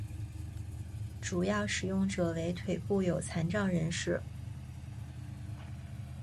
主要使用者为腿部有残障人士。